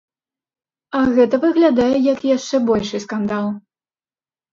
А гэта выглядае, як яшчэ большы скандал.